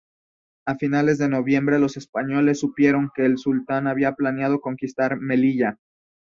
A finales de noviembre los españoles supieron que el sultán había planeado conquistar Melilla.